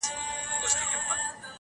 حقیقت حقیقت دی